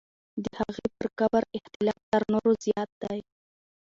د هغې پر قبر اختلاف تر نورو زیات دی.